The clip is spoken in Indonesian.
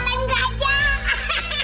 hehehe pressing khususnya ini